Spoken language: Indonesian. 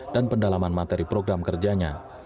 dan pendalaman materi program kerjanya